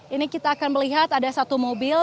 ini kita akan melihat ada satu mobil